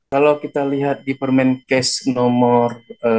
kalau kita lihat di permen case nomor